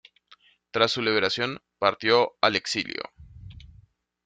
Tras su liberación, partió al exilio.